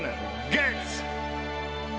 ゲッツ！